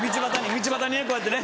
道端にこうやってね。